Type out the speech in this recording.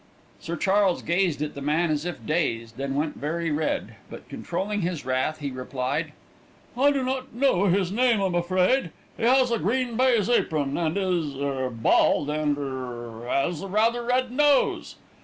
Sir Charles gazed at the man as if dazed, then went very red, but controlling his wrath he replied: "I do not know his name, I'm afraid. He has a green baize apron and is er bald, and er has a rather red nose."